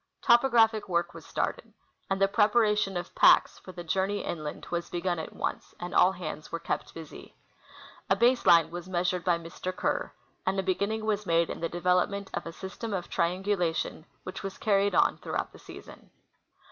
Topographic Avork Avas started, and the preparation of " packs " for the journey inland Avas begun at once; and all hands Avere kept busy. A base line Avas measured by Mr. Kerr, and a be ginning Avas made in the clcA^elopment of a system of triangu lation AA'hich Avas carried on throughout the season.